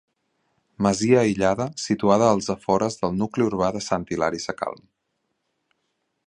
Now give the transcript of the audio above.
Masia aïllada, situada als afores del nucli urbà de Sant Hilari Sacalm.